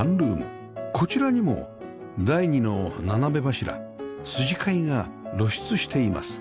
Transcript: こちらにも第２の斜め柱筋交いが露出しています